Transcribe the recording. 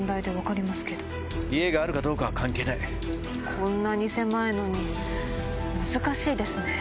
こんなに狭いのに難しいですね。